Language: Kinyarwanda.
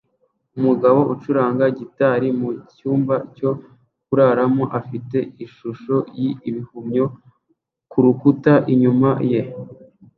Umugabo ucuranga gitari mu cyumba cyo kuraramo afite ishusho y'ibihumyo ku rukuta inyuma ye